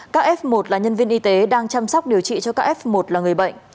các f một là nhân viên y tế đang chăm sóc điều trị cho các f một là người bệnh